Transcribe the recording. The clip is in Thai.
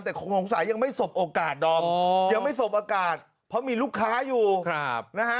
แต่คงสงสัยยังไม่สบโอกาสดอมยังไม่สบโอกาสเพราะมีลูกค้าอยู่นะฮะ